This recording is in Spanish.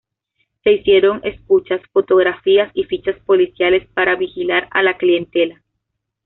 Se hicieron escuchas, fotografías y fichas policiales para vigilar a la clientela.